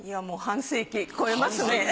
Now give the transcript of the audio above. もう半世紀超えますね。